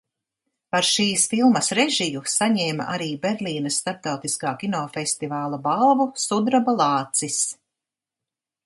"Par šīs filmas režiju saņēma arī Berlīnes starptautiskā kinofestivāla balvu "Sudraba lācis"."